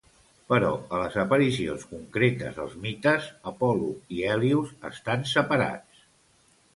Però a les aparicions concretes als mites, Apol·lo i Hèlios estan separats.